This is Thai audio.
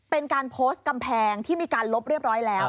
เป็นการโพสต์กำแพงที่มีการลบเรียบร้อยแล้ว